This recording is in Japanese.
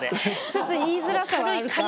ちょっと言いづらさはあるか。